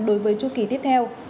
đối với châu kỳ tiếp theo